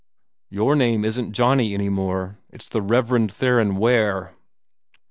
"Your name isn't Johnny any more. It's the Rev. Theron Ware."